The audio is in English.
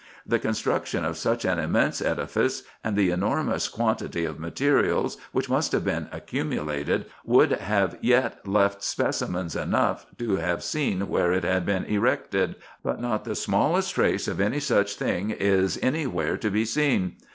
The con struction of such an immense edifice, and the enormous quantity of materials which must have been accumulated, would have yet left specimens enough to have seen where it had been erected, but not the smallest trace of any such thing is any where to be seen.